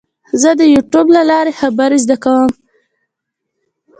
زه د یوټیوب له لارې خبرې زده کوم.